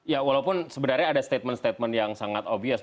ya walaupun sebenarnya ada statement statement yang sangat obvious